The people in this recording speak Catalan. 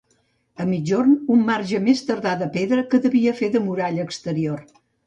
A migjorn, un marge més tardà de pedra que devia fer de muralla exterior.